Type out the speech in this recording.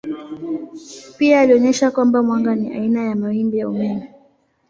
Pia alionyesha kwamba mwanga ni aina ya mawimbi ya umeme.